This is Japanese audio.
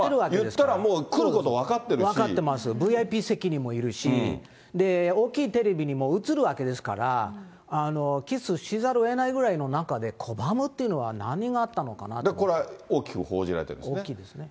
言ったらもう、分かってます、ＶＩＰ席にもいるし、大きいテレビにも映るわけですから、キスしざるをえないくらいの中で拒むっていうのは、これ、大きく報じられてるん大きいですね。